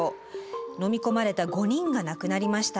のみ込まれた５人が亡くなりました。